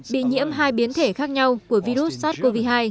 bị nhiễm hai biến thể khác nhau của virus sars cov hai